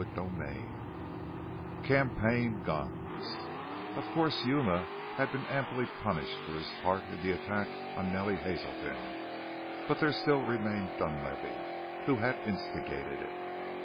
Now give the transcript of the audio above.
CHAPTER XXIV CAMPAIGN GUNS Of course Yuma had been amply punished for his part in the attack on Nellie Hazelton, but there still remained Dunlavey who had instigated it.